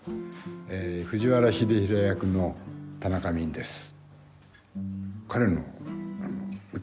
藤原秀衡役の田中泯です。